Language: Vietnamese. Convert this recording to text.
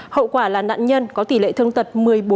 hậu quả là nạn nhân có tỷ lệ thương tật một mươi bốn